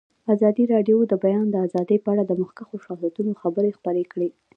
ازادي راډیو د د بیان آزادي په اړه د مخکښو شخصیتونو خبرې خپرې کړي.